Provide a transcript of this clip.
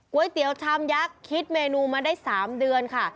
เตี๋ยวชามยักษ์คิดเมนูมาได้๓เดือนค่ะ